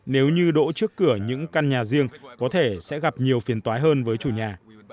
nếu như đỗ trước cửa những căn nhà riêng có thể sẽ gặp nhiều phiền tói hơn với chủ nhà